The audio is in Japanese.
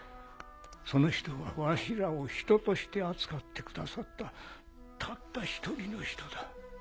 その人はわしらを人として扱ってくださったたった１人の人だ。